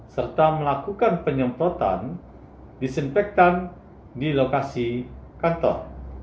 serta melakukan penyemprotan disinfektan di lokasi kantor